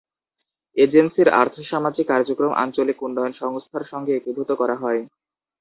এজেন্সির আর্থ-সামাজিক কার্যক্রম আঞ্চলিক উন্নয়ন সংস্থার সঙ্গে একীভূত করা হয়।